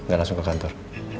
gak langsung ke kantor